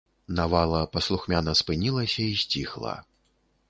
Навала паслухмяна спынілася і сціхла.